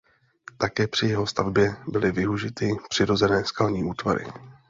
Také při jeho stavbě byly využity přirozené skalní útvary.